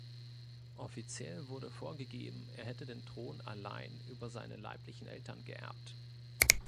Offiziell wurde vorgegeben, er hätte den Thron allein über seine leiblichen Eltern geerbt.